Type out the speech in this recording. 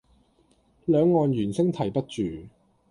兩岸猿聲啼不住